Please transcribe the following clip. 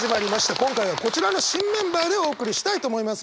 今回はこちらの新メンバーでお送りしたいと思います。